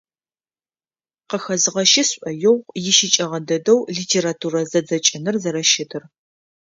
Къыхэзгъэщы сшӏоигъу ищыкӏэгъэ дэдэу литературэ зэдзэкӏыныр зэрэщытыр.